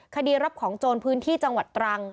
คดีรับของโจรพื้นที่จังหวัดตรัง